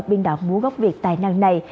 biên đoạn múa gốc việt tài năng này